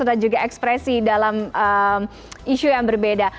dan juga ekspresi dalam isu yang berbeda